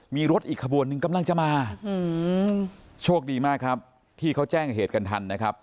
มีรถอีกขบวนหนึ่งกำลังจะมาโชคดีมากครับที่เขาแจ้งเหตุกันทันนะครับ